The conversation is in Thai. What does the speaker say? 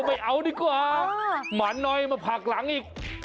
ไปเอาดีกว่าหมาน้อยมาผักหลังอีก